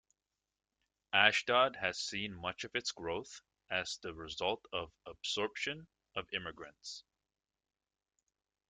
Ashdod has seen much of its growth as the result of absorption of immigrants.